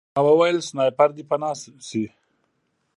ما وویل سنایپر دی پناه شئ